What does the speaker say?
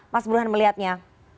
mas burhan melihatnya